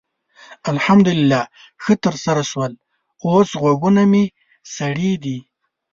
الحمدلله ښه ترسره شول؛ اوس غوږونه مې سړې دي.